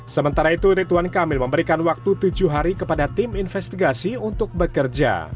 sementara itu rituan kamil memberikan waktu tujuh hari kepada tim investigasi untuk bekerja